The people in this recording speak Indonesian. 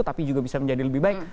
tapi juga bisa menjadi lebih baik